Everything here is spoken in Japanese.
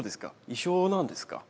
一緒なんですか？